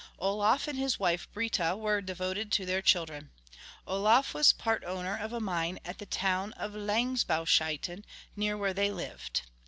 Olof and his wife Brita were devoted to their children. Olof was part owner of a mine at the town of Langsbaushyttan near which they lived.